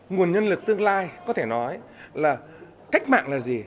nguồn nhân lực tương lai có thể nói là cách mạng là gì